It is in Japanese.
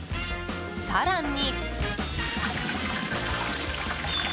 更に。